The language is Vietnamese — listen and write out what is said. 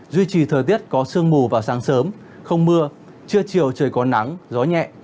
duy trì thời tiết có sương mù vào sáng sớm không mưa trưa chiều trời có nắng gió nhẹ